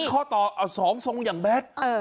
ข้อต่อเอา๒ทรงอย่างแบท